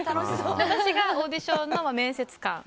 私がオーディションの面接官。